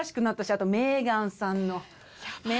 あとメーガンさんの。